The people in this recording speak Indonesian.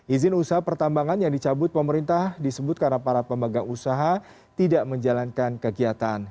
izin usaha pertambangan yang dicabut pemerintah disebut karena para pemegang usaha tidak menjalankan kegiatan